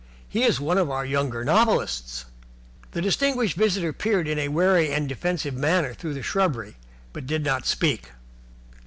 He is one of our younger novelists." The distinguished visitor peered in a wary and defensive manner through the shrubbery, but did not speak.